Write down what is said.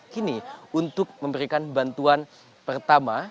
kini untuk memberikan bantuan pertama